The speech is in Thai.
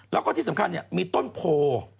แล้วก็ที่สำคัญเนี่ยมีต้นโผล่